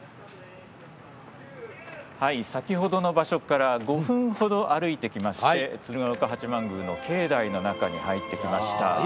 先ほどの場所から５分ほど歩いてきまして鶴岡八幡宮の境内の中に入ってきました。